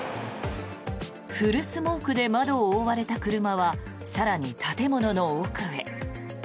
フルスモークで窓を覆われた車は更に建物の奥へ。